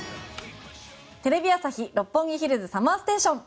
テレビ朝日・六本木ヒルズＳＵＭＭＥＲＳＴＡＴＩＯＮ。